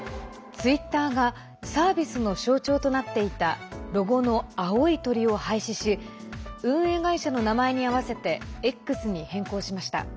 ツイッターがサービスの象徴となっていたロゴの青い鳥を廃止し運営会社の名前に合わせて「Ｘ」に変更しました。